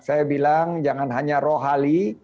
saya bilang jangan hanya rohali